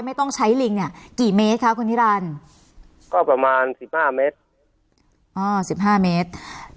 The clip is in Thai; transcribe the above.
ไม่ต้องใช้ลิงเนี่ยกี่เมตรคะคุณนิรันดิ์ก็ประมาณสิบห้าเมตรอ่าสิบห้าเมตร